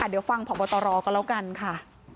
เดี๋ยวฟังพบตรก็แล้วกันค่ะ